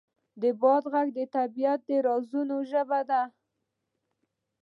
د باد غږ د طبیعت د رازونو ژبه ده.